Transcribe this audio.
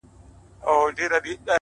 چي محبت يې زړه كي ځاى پـيـدا كـړو؛